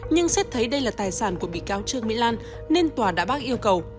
nhưng xét thấy đây là tài sản của bị cáo trương mỹ lan nên tòa đã bác yêu cầu